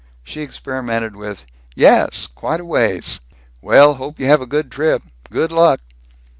She experimented with, "Yes, quite a ways." "Well, hope you have a good trip. Good luck!"